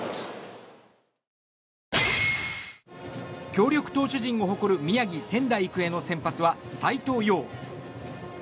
協力投手陣を誇る宮城仙台育英の先発は斎藤蓉。